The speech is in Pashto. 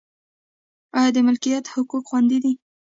آیا د ملکیت حقوق خوندي دي؟